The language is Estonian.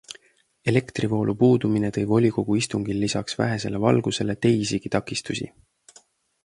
Elektrivoolu puudumine tõi volikogu istungil lisaks vähesele valgusele teisigi takistusi.